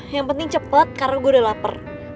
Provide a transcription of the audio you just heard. yang penting cepat karena gue udah lapar